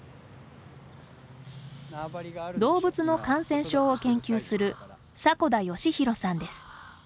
動物の感染症を研究する迫田義博さんです。